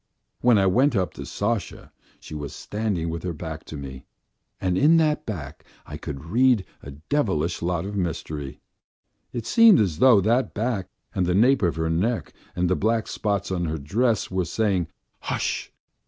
When I went up to Sasha she was standing with her back to me, and in that back I could read a devilish lot of mystery. It seemed as though that back and the nape of her neck, and the black spots on her dress were saying: Hush!